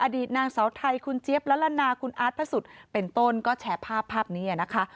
นางเสาไทยคุณเจี๊ยบละละนาคุณอาร์ตพระสุทธิ์เป็นต้นก็แชร์ภาพภาพนี้นะคะ